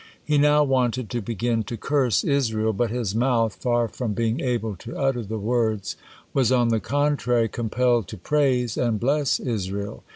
He now wanted to begin to curse Israel, but his mouth, far from being able to utter the words, was on the contrary compelled to praise and bless Israel.